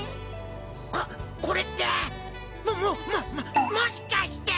あこれってももももしかして。